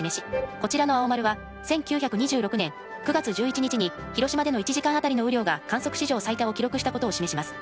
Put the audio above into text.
こちらの青丸は１９２６年９月１１日に広島での１時間あたりの雨量が観測史上最多を記録したことを示します。